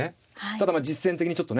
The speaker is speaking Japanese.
ただまあ実戦的にちょっとね